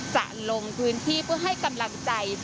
จะลงพื้นที่เพื่อให้กำลังใจ